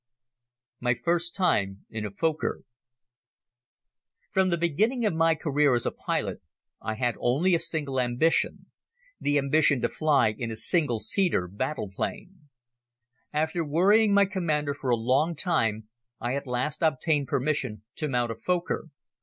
My First Time In a Fokker FROM the beginning of my career as a pilot I had only a single ambition, the ambition to fly in a single seater battle plane. After worrying my commander for a long time I at last obtained permission to mount a Fokker.